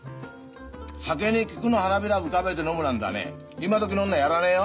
酒に菊の花びら浮かべて飲むなんざね今どきの女はやらねえよ。